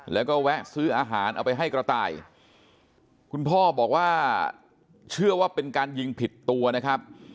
แล้วก็แวะซื้ออาหารเอาไปให้กระต่ายคุณพ่อบอกว่าเชื่อว่าเป็นการยิงผิดตัวนะครับ